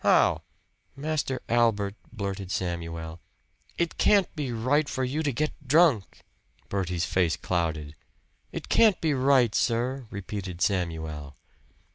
How?" "Master Albert," blurted Samuel "it can't be right for you to get drunk!" Bertie's face clouded. "It can't be right, sir!" repeated Samuel.